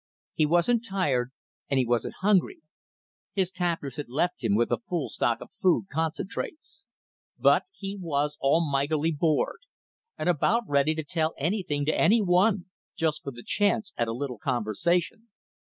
He wasn't tired and he wasn't hungry; his captors had left him with a full stock of food concentrates. But he was almightily bored, and about ready to tell anything to anyone, just for the chance at a little conversation.